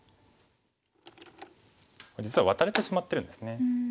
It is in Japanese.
実はワタれてしまってるんですね。